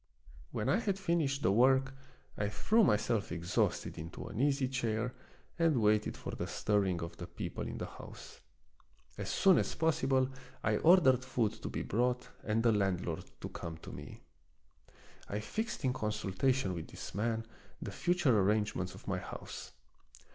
When I had finished the work I threw myself exhausted into an easy chair and waited for the stirring of the people in the house. As soon as possible I ordered food to be brought and the landlord to come to me. I fixed in consultation with this man the future arrangements of my house.